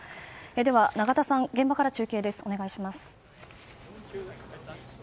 では、永田さん現場から中継です。